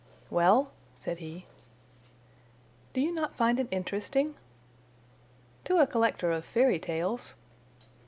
"Well?" said he. "Do you not find it interesting?" "To a collector of fairy tales."